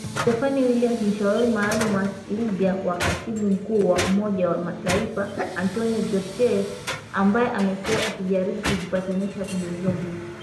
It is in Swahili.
Stephanie Williams mshauri maalum kwa Libya wa katibu mkuu wa Umoja wa Mataifa Antonio Guterres, ambaye amekuwa akijaribu kuzipatanisha pande hizo mbili